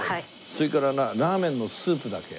それからラーメンのスープだけ。